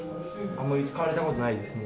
あんまり使われた事ないですね